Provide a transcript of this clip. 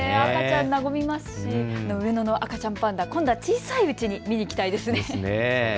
赤ちゃん、なごみますし、上野の赤ちゃんパンダ、今度は小さいうちに見に行きたいですね。